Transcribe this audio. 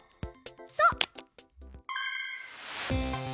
そう！